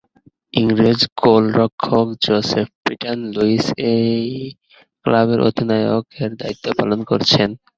ইংরেজ গোলরক্ষক Joseph Peter Lewis এই ক্লাবের অধিনায়কের দায়িত্ব পালন করছেন।